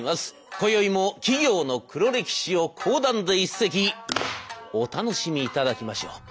こよいも企業の黒歴史を講談で一席お楽しみいただきましょう。